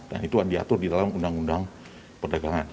dan itu diatur di dalam undang undang perdagangan